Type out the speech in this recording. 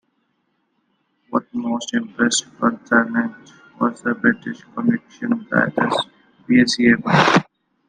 What most impressed Conant was the British conviction that it was feasible.